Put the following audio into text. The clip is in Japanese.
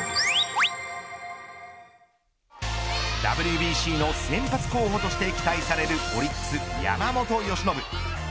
ＷＢＣの先発候補として期待されるオリックス、山本由伸。